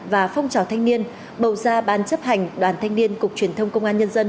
và phong trào thanh niên bầu ra ban chấp hành đoàn thanh niên cục truyền thông công an nhân dân